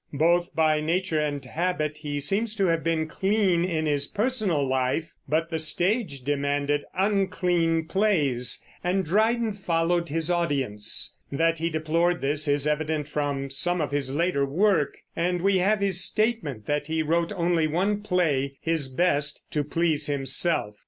Both by nature and habit he seems to have been clean in his personal life; but the stage demanded unclean plays, and Dryden followed his audience. That he deplored this is evident from some of his later work, and we have his statement that he wrote only one play, his best, to please himself.